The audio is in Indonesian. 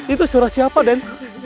itu suara siapa dan